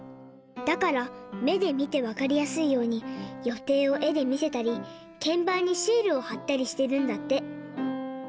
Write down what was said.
だから目で見て分かりやすいように予定を絵で見せたり鍵盤にシールを貼ったりしてるんだって。